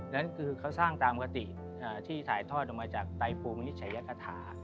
นั่นคือเขาสร้างตามปกติที่ถ่ายทอดออกมาจากไตปรุงนิจฉัยกฐา